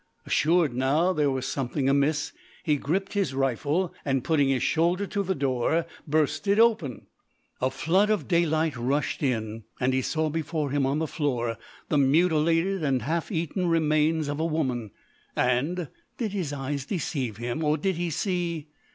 Assured now there was something amiss, he gripped his rifle, and putting his shoulder to the door, burst it open. A flood of daylight rushed in, and he saw before him on the floor the mutilated and half eaten remains of a woman, and did his eyes deceive him or did he see?